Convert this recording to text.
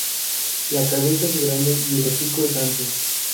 La cabeza es grande y el hocico es ancho.